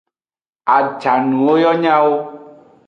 Ajanuwo yo nyawo.